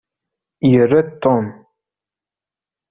Yerra-d Tom.